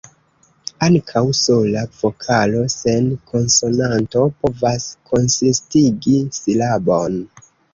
Ankaŭ sola vokalo sen konsonanto povas konsistigi silabon.